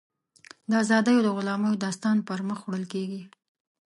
د ازادیو او غلامیو داستان پر مخ وړل کېږي.